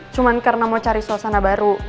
cuma karena mau cari suasana baru